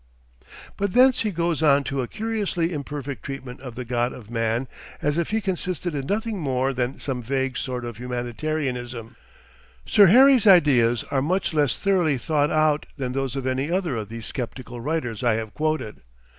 ..." But thence he goes on to a curiously imperfect treatment of the God of man as if he consisted in nothing more than some vague sort of humanitarianism. Sir Harry's ideas are much less thoroughly thought out than those of any other of these sceptical writers I have quoted.